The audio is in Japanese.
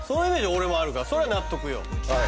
俺はあるからそれは納得よ